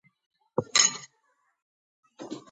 კვანტურ მექანიკაში ნაწილაკებს გააჩნიათ ტალღური თვისებებიც.